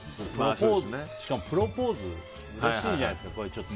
しかもプロポーズうれしいじゃないですか。